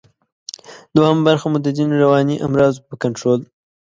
دوهمه برخه مو د ځینو رواني امراضو په کنټرول